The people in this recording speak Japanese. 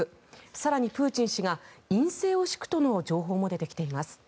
更に、プーチン氏が院政を敷くとの情報も出てきています。